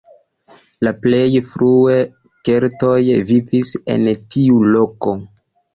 La plej frue keltoj vivis en tiu loko.